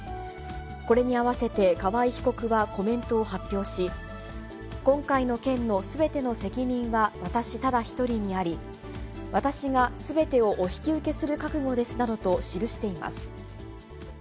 これに合わせて河合被告はコメントを発表し、今回の件のすべての責任は私ただ一人にあり、私がすべてをお引き受けする覚悟ですなどと記しています。